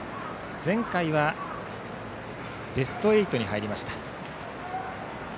前回はベスト８に入りました。